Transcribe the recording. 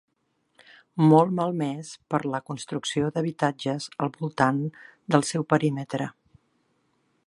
Molt malmès per la construcció d'habitatges al voltant del seu perímetre.